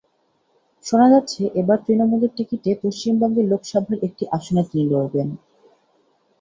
শোনা যাচ্ছে, এবার তৃণমূলের টিকিটে পশ্চিমবঙ্গের লোকসভার একটি আসনে তিনি লড়বেন।